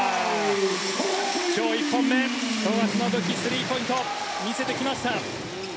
今日１本目富樫の武器、スリーポイントを見せてきました。